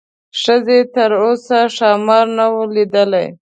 ښځې تر اوسه ښامار نه و لیدلی.